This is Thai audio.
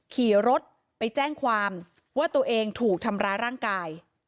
ขี่รถไปแจ้งความว่าตัวเองถูกทำร้ายร่างกาย